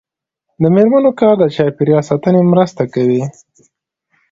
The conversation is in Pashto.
د میرمنو کار د چاپیریال ساتنې مرسته کوي.